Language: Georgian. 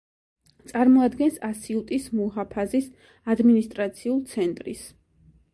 წარმოადგენს ასიუტის მუჰაფაზის ადმინისტრაციულ ცენტრის.